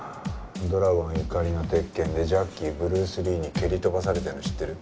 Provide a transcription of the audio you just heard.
『ドラゴン怒りの鉄拳』でジャッキーブルース・リーに蹴り飛ばされてるの知ってる？